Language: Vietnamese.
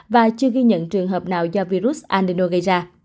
và chưa ghi nhận trường hợp nào do virus andeno gây ra